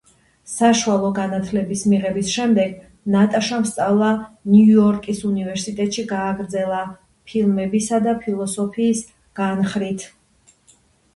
საშუალო განათლების მიღების შემდეგ ნატაშამ სწავლა ნიუ იორკის უნივერსიტეტში გააგრძელა ფილმებისა და ფილოსოფიის განხრით.